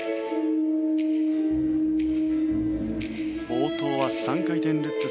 冒頭は３回転ルッツ